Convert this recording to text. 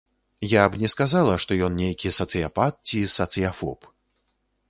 Я б не сказала, што ён нейкі сацыяпат ці сацыяфоб.